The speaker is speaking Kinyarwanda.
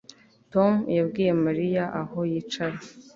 Tom yabwiye Mariya aho yicara